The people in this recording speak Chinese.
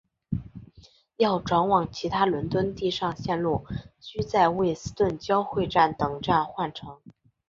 要转往其他伦敦地上线路须在卫斯顿交汇站等站换乘。